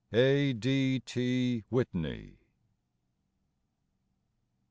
A. D. T. Whitney.